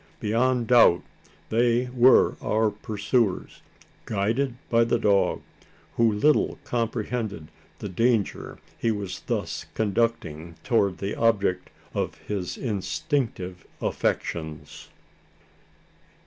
Beyond doubt, they were our pursuers, guided by the dog who little comprehended the danger he was thus conducting towards the object of his instinctive affections!